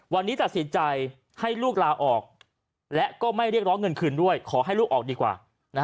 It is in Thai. วันนี้ตัดสินใจให้ลูกลาออกและก็ไม่เรียกร้องเงินคืนด้วยขอให้ลูกออกดีกว่า